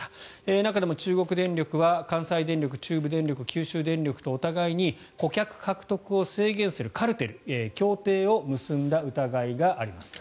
中でも中国電力は関西電力、中部電力九州電力とお互いに顧客獲得を制限するカルテル協定を結んだ疑いがあります。